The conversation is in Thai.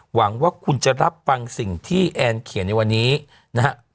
หวังว่าคุณจะรับฟังสิ่งที่แอนเขียนในวันนี้นะฮะ